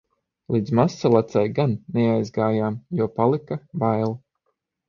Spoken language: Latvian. Līdz Mazsalacai gan neaizgājām, jo palika bail.